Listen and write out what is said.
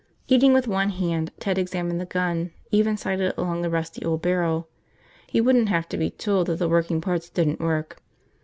Eating with one hand, Ted examined the gun, even sighted along the rusty old barrel. He wouldn't have to be told that the working parts didn't work.